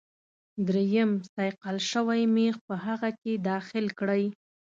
دریم صیقل شوی میخ په هغه کې داخل کړئ.